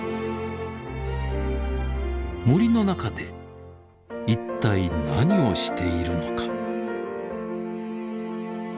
森の中でいったい何をしているのか。